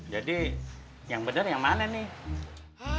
jadi yang bener yang mana nih